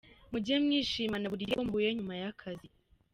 Mujye mwishimana buri gihe uko muhuye nyuma y’akazi.